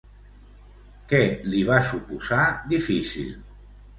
Què li va suposar difícil?